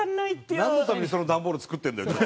なんのためにそのダンボール作ってるんだよじゃあ。